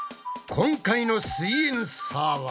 今回の「すイエんサー」は？